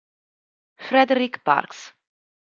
Frederick Parks